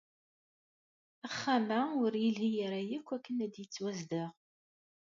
Axxam-a ur yelhi ara akk akken ad yettwazdeɣ.